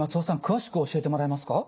詳しく教えてもらえますか？